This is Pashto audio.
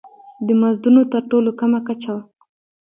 څلورم: د مزدونو تر ټولو کمه کچه.